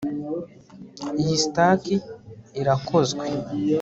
iyi staki irakozwe